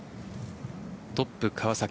トップ・川崎。